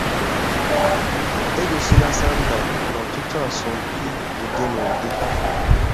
E gosila Sanda n'ọtụtụ asọmpi ụdị n'ụdị.